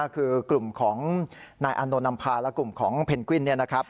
คือกลุ่มของนายอานโนนำพาและกลุ่มของเพนกวิน